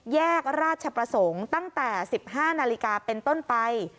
แยกราชประสงค์ตั้งแต่๑๕นาฬิกาเป็นต้นไป